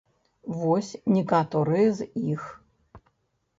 Вось некаторыя з іх.